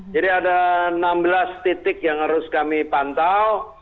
jadi ada enam belas titik yang harus kami pantau